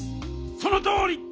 そのとおり！